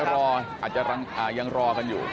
อาจจะรออาจจะรังอ่ายังรอกันอยู่